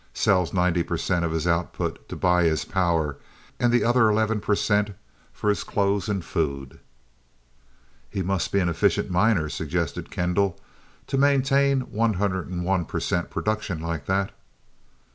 Sells ninety percent of his output to buy his power, and the other eleven percent for his clothes and food." "He must be an efficient miner," suggested Kendall, "to maintain 101% production like that."